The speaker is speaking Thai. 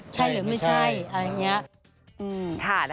ใช่หรือไม่ใช่อะไรอย่างนี้